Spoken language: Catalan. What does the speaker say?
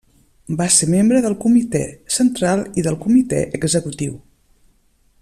Va ser membre del Comitè Central i del Comitè Executiu.